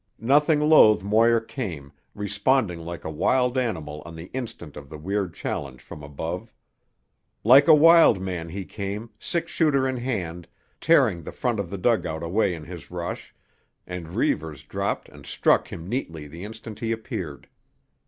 Nothing loath Moir came, responding like a wild animal on the instant of the weird challenge from above. Like a wild man he came, six shooter in hand, tearing the front of the dugout away in his rush, and Reivers dropped and struck him neatly the instant he appeared.